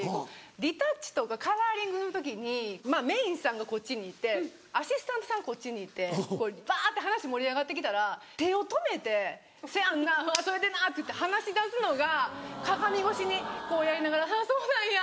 リタッチとかカラーリングの時にメインさんがこっちにいてアシスタントさんこっちにいてバって話盛り上がってきたら手を止めて「せやんなそれでな」って話し出すのが鏡越しにこうやりながら「そうなんや」。